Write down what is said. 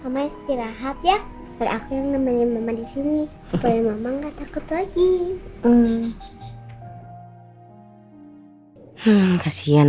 aku gak usah aku gak usah